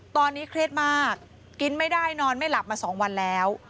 ตอนนี้เครียดมากกินไม่ได้นอนไม่หลับมา๒วันแล้ว